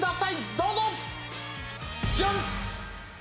どうぞジャン！